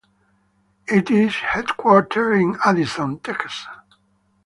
It is headquartered in Addison, Texas.